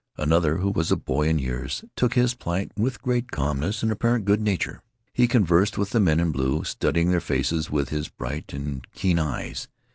Another, who was a boy in years, took his plight with great calmness and apparent good nature. He conversed with the men in blue, studying their faces with his bright and keen eyes.